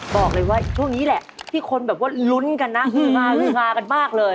บอกเลยว่าช่วงนี้แหละที่คนแบบว่าลุ้นกันนะฮากันมากเลย